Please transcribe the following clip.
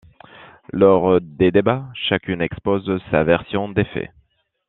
Lors des débats, chacune expose sa version des faits.